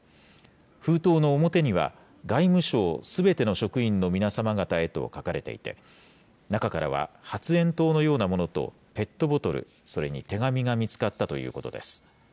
封筒の表には、外務省すべての職員のみなさま方へと書かれていて、中からは、発炎筒のようなものとペットボトル、それに手紙が見つかったということです。